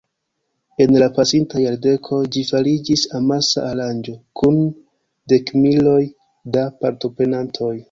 En la pasintaj jardekoj ĝi fariĝis amasa aranĝo kun dekmiloj da partoprenantoj.